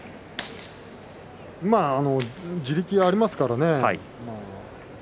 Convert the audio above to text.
地力がありますからね。